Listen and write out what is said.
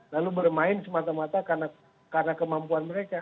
lalu bermain semata mata karena kemampuan mereka